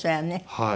はい。